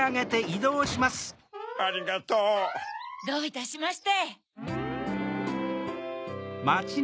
どういたしまして。